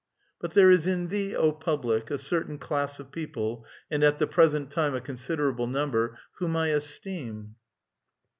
But there is in thee, O public, a certain class of people — and at the present time a considerable number — whom I esteem.